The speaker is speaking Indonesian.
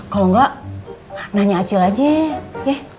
kalau enggak nanya acil aja ya